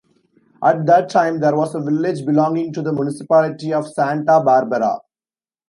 At that time there was a village belonging to the municipality of Santa Barbara.